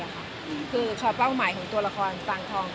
ก็คือเป้าหมายของตัวละครฟังทอง